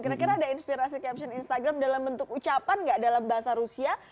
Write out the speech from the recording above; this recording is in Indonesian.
kira kira ada inspirasi caption instagram dalam bentuk ucapan nggak dalam bahasa rusia